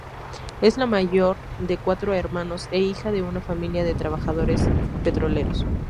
Es la mayor de cuatro hermanos e hija de una familia de trabajadores petroleros.